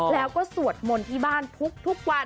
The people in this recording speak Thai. แล้วก็สวดมนต์ที่บ้านทุกวัน